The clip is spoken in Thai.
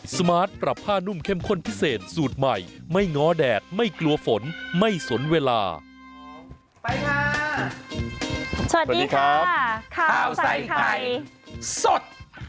สวัสดีครับข้าวใส่ไข่สด